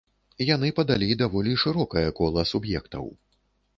Яны падалі даволі шырокае кола суб'ектаў.